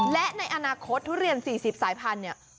และในอนาคตทุเรียน๔๐สายพันธุ์เนี่ย